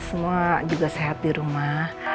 semua juga sehat di rumah